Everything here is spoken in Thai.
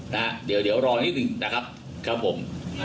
นะฮะเดี๋ยวรอนิดหนึ่งนะครับครับผม